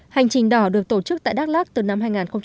hành trình đỏ được tổ chức tại đắk lắc từ năm hai nghìn một mươi